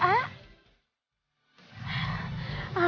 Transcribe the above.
ya mak yang bener ya